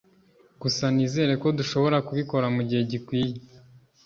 gusa nizere ko dushobora kubikora mugihe gikwiye